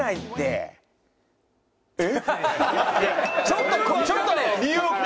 ちょっとちょっと。